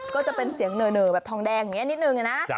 ก็จะเป็นเสียงเหน่อแบบทองแดงอย่างนี้นิดนึงนะ